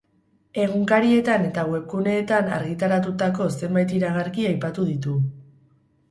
Egunkarietan eta webguneetan argitaratutako zenbait iragarki aipatu ditu.